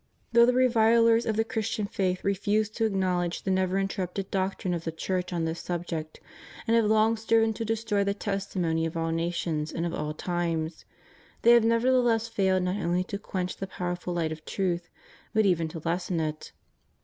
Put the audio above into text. Though the revilers of the Christian faith refuse to acknowledge the never interrupted doctrine of the Church on this subject, and have long striven to destroy the testimony of all nations and of all times, they have nevertheless failed not only to quench the powerful light of truth, but even to lessen it.